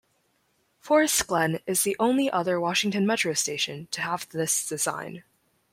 Forest Glen is the only other Washington Metro station to have this design.